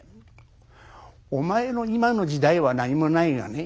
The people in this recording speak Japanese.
お前の今の時代は何もないがね